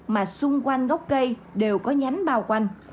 mà xung quanh gốc cây đều có nhắn bao quanh